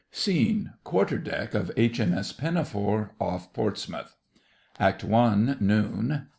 Scene: QUARTER DECK OF H.M.S. PINAFORE, OFF PORTSMOUTH ACT I.—Noon.